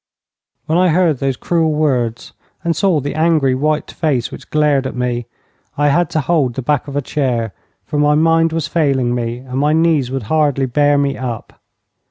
When I heard those cruel words and saw the angry, white face which glared at me, I had to hold the back of a chair, for my mind was failing me and my knees would hardly bear me up.